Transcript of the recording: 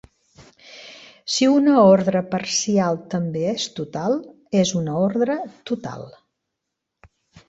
Si una ordre parcial també és total, és una ordre total.